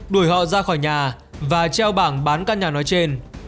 đuổi họ ra khỏi nhà và treo bảng bán căn nhà nói trên